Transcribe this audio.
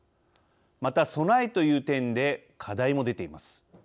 また、備えという点で課題も出ています。